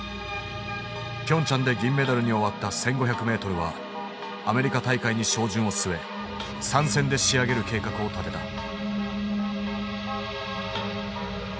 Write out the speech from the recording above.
ピョンチャンで銀メダルに終わった１，５００ｍはアメリカ大会に照準を据え３戦で仕上げる計画を立てた。